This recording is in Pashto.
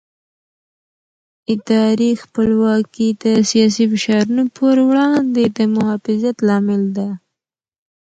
اداري خپلواکي د سیاسي فشارونو پر وړاندې د محافظت لامل ده